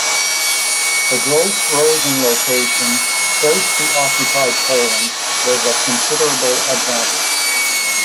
The Gross-Rosen location close to occupied Poland was of considerable advantage.